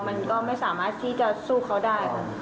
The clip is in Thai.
มันก็ไม่สามารถที่จะสู้เขาได้ค่ะ